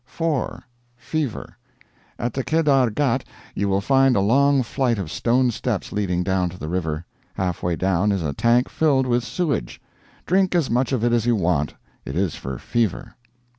4. Fever. At the Kedar Ghat you will find a long flight of stone steps leading down to the river. Half way down is a tank filled with sewage. Drink as much of it as you want. It is for fever.